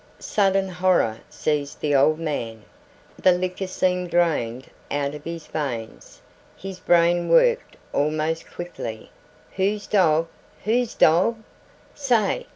Sudden horror seized the old man. The liquor seemed drained out of his veins: his brain worked almost quickly. "Whose dog whose dog? Say!"